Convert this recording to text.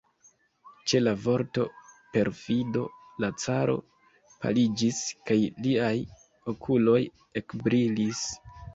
Ĉe la vorto "perfido" la caro paliĝis, kaj liaj okuloj ekbrilis.